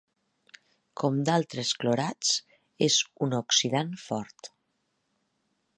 Com d'altres clorats, és un oxidant fort.